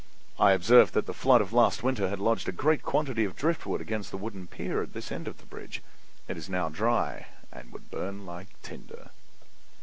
"I observed that the flood of last winter had lodged a great quantity of driftwood against the wooden pier at this end of the bridge. It is now dry and would burn like tinder."